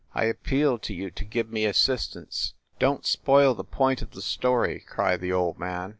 "I appeal to you to give me assistance !" "Don t spoil the point of the story!" cried the old man.